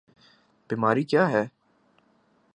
بیماری کیا ہے؟